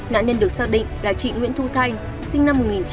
nạn nhân được xác định là chị nguyễn thu thanh